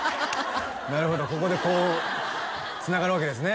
なるほどここでこうつながるわけですね